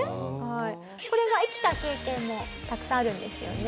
これが生きた経験もたくさんあるんですよね？